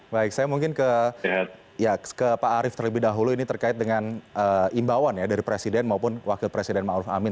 baik saya mungkin ke pak arief terlebih dahulu ini terkait dengan imbauan dari presiden maupun wakil presiden mauluf amin